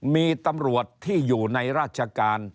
มีตำรวจที่อยู่ในราชการ